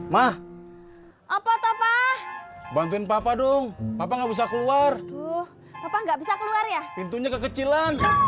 mah apa apa bantuin papa dong papa nggak bisa keluar tuh apa nggak bisa keluar ya pintunya kekecilan